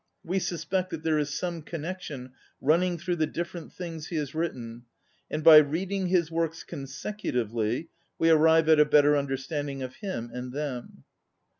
We suspect that there is some connection running through the different things he has written, and by reading his works consecu tively we arrive at a better under standing of him and them.